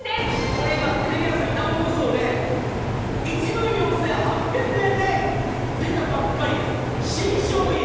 これ今、テレビ朝日生放送で１万４８００円で出たばかりの新商品。